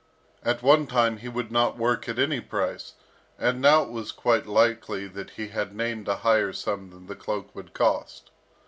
At one time he would not work at any price, and now it was quite likely that he had named a higher sum than the cloak would cost.